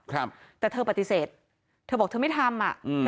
ครับแต่เธอปฏิเสธเธอบอกเธอไม่ทำอ่ะอืม